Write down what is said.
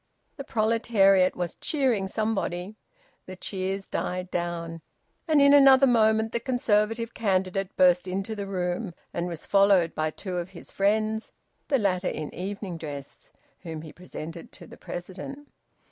The proletariat was cheering somebody. The cheers died down. And in another moment the Conservative candidate burst into the room, and was followed by two of his friends (the latter in evening dress), whom he presented to the President.